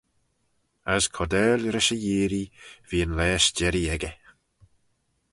As cordail rish e yeearree v'eh yn laa s'jerree echey.